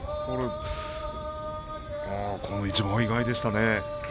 この一番、意外でしたね。